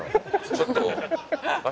ちょっと。